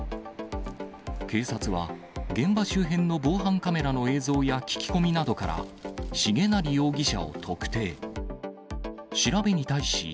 警察は、現場周辺の防犯カメラの映像や聞き込みなどから、重成容疑者を特定。